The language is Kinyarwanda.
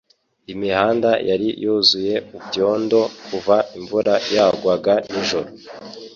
Imihanda yari yuzuye ibyondo kuva imvura yagwaga nijoro.